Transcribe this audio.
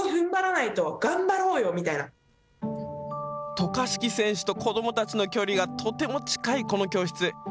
渡嘉敷選手と子どもたちの距離がとても近いこの教室。